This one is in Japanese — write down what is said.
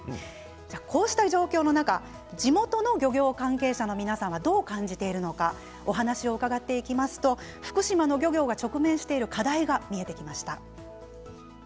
こうした状況の中地元の漁業関係者の皆さんはどう感じているのかお話を伺ってみますと福島の漁業が直面している課題が見えてきました。